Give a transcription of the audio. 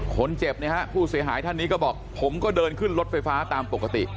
คนเจ็บเนี่ยฮะผู้เสียหายท่านนี้ก็บอกผมก็เดินขึ้นรถไฟฟ้าตามปกติ